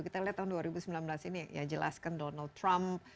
kita lihat tahun dua ribu sembilan belas ini ya jelaskan donald trump